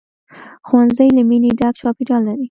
ښوونځی له مینې ډک چاپېریال لري